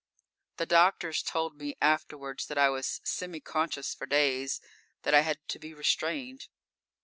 _ _The doctors told me afterwards that I was semi conscious for days; that I had to be restrained.